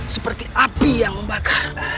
seperti api yang membakar